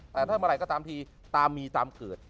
แต่ถ้าเมื่อไหร่ก็ตามทีตามมีตามเกิด